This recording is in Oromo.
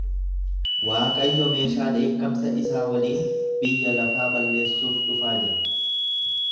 Waaqayyo meeshaa dheekkamsa isaa waliin biyya lafaa balleessuuf dhufaa jira.